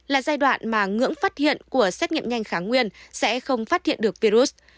là giai đoạn mà ngưỡng phát hiện của xét nghiệm nhanh kháng nguyên sẽ không phát hiện được virus